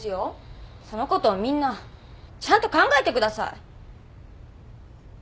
そのことをみんなちゃんと考えてください！